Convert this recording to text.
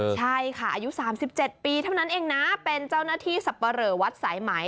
ใช่ค่ะอายุ๓๗ปีเท่านั้นเองนะเป็นเจ้าหน้าที่สับปะเหลอวัดสายไหม